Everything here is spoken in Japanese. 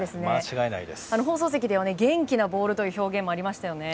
放送席では元気なボールという表現もありましたね。